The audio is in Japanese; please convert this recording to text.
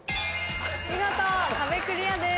見事壁クリアです。